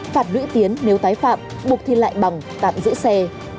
phạt lũy tiến nếu tái phạm buộc thi lại bằng tạm giữ xe